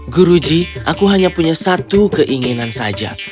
guruji aku hanya punya satu keinginan saja